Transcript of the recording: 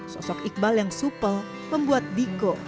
sosok iqbal yang supel membuat diko